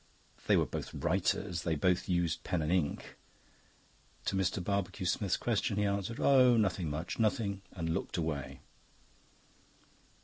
They were both writers, they both used pen and ink. To Mr. Barbecue Smith's question he answered, "Oh, nothing much, nothing," and looked away.